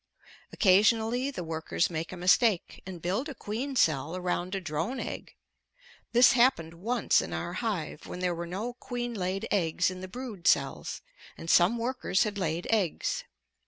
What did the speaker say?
Occasionally the workers make a mistake and build a queen cell around a drone egg. This happened once in our hive when there were no queen laid eggs in the brood cells, and some workers had laid eggs.